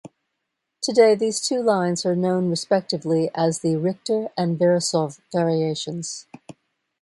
Today, these two lines are known, respectively, as the Richter and Veresov Variations.